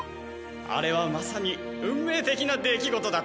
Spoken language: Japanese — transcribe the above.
あれはまさに運命的な出来事だった。